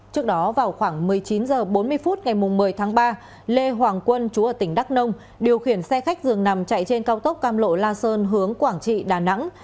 trước đó vào khoảng một mươi chín h bốn mươi phút ngày một mươi tháng ba lê hoàng quân chú ở tỉnh đắk nông điều khiển xe khách dường nằm chạy trên cao tốc cam lộ la sơn hướng quảng trị đà nẵng